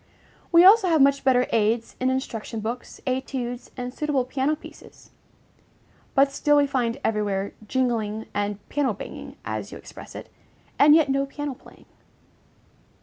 We also have much better aids in instruction books, études, and suitable piano pieces; but still we find everywhere "jingling" and "piano banging," as you express it, and yet no piano playing.